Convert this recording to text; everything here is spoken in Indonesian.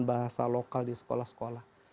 bahasa lokal di sekolah sekolah